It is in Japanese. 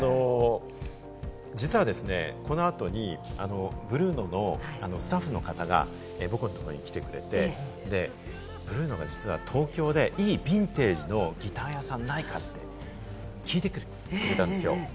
実はですね、この後にブルーノのスタッフの方が僕のところに来てくれて、ブルーノが実は東京でいいヴィンテージのギター屋さんないか？って聞いてくるって言ったんですよ。